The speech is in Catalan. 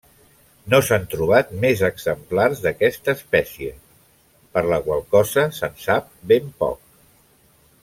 No s'han trobat més exemplars d'aquesta espècie, per la qual cosa se'n sap ben poc.